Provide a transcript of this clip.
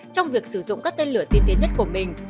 trong việc sử dụng các tên lửa tiên tiến nhất của mình